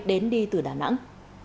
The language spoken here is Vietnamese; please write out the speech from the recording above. đến đi từ đà nẵng